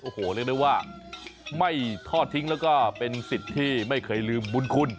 โอ้โหเรียกได้ว่าไม่ทอดทิ้งแล้วก็เป็นสิทธิ์ที่ไม่เคยลืมบุญคุณ